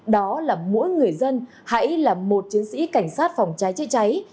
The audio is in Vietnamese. đó là mỗi người dân hãy là một chiến sĩ cảnh sát phòng cháy cháy